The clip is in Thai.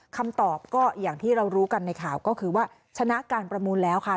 คำตอบก็อย่างที่เรารู้กันในข่าวก็คือว่าชนะการประมูลแล้วค่ะ